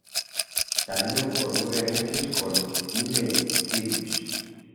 Salió por nueve meses con Miley Cyrus.